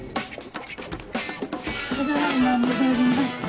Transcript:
ただ今戻りました。